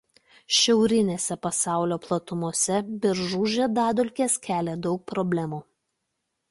Šiaurinėse pasaulio platumose beržų žiedadulkės kelią daug problemų.